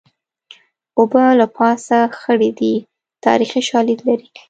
اوبه له پاسه خړې دي تاریخي شالید لري